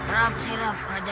rap sirap raja